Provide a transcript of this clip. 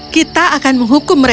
kita akan menghukum mereka